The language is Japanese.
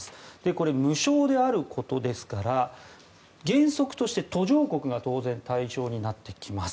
これ、無償であることですから原則として途上国が当然、対象になってきます。